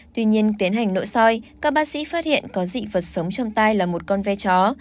tuy nhiên tiến hành nội soi các bác sĩ phát hiện có dị vật sống trong tay là một con ve chó